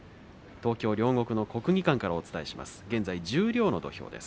東京・両国の国技館からお伝えします。